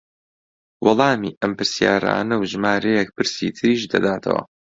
وەڵامی ئەم پرسیارانە و ژمارەیەک پرسی تریش دەداتەوە